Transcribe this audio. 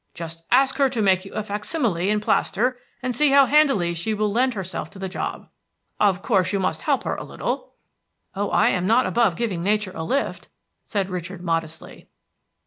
Just ask her to make you a fac simile in plaster, and see how handily she will lend herself to the job. Of course you must help her a little." "Oh, I am not above giving nature a lift," said Richard modestly.